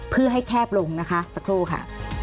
เพื่อให้แคบลงนะคะสักครู่ค่ะ